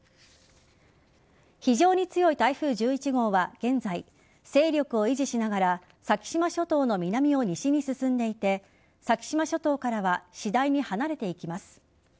非常に強い台風１１号は現在勢力を維持しながら先島諸島の南を西に進んでいて先島諸島からは次第に離れていきます。